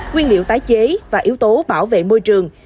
nguyên liệu tái chế và yếu tố bảo vệ môi trường